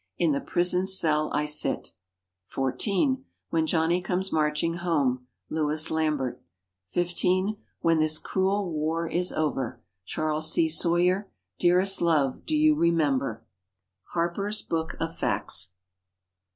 "In the prison cell I sit." (14) When Johnny Comes Marching Home. Louis Lambert. (15) When This Cruel War Is Over. Charles C. Sawyer. "Dearest love, do you remember?" Harper's "Book of Facts."